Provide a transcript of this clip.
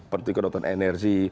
pentingnya kedokteran energi